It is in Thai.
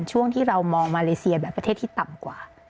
ช่วงที่เรามองมาเลเซียแบบประเทศที่ต่ำกว่า